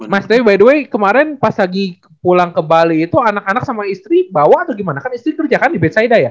mas tapi btw kemarin pas lagi pulang ke bali itu anak anak sama istri bawa atau gimana kan istri kerja kan di bedside aja